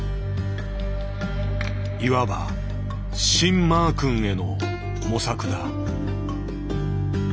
いわば「シン・マー君」への模索だ。